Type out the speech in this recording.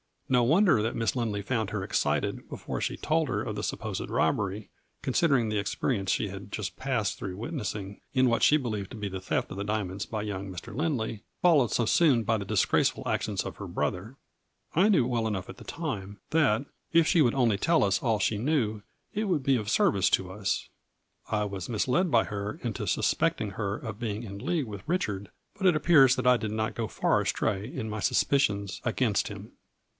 No wonder that Miss Lindley found her excited before she told her of the supposed robbery, considering the experience she had just passed through witnessing in what she believed to be the theft of the diamonds by young Mr. Lindley, followed so soon by the disgraceful actions of her brother. I knew well enough at the time that if she would only tell us all she knew it would be of service to us. I was misled by her into suspecting her of being in league with Richard, but it appears that I did not go far astray in my suspicions against him.